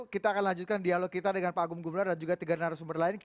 kita akan lanjutkan dialog kita dengan pak agung gumelar dan juga tiga narasumber lain